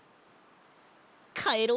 かえろう。